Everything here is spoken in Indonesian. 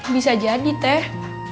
bisa jadi teh